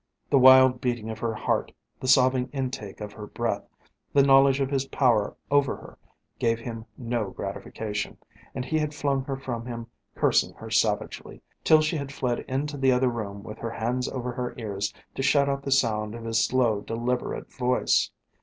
The wild beating of her heart, the sobbing intake of her breath, the knowledge of his power over her, gave him no gratification, and he had flung her from him cursing her savagely, till she had fled into the other room with her hands over her ears to shut out the sound of his slow, deliberate voice.